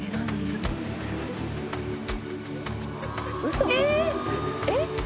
嘘⁉えっ？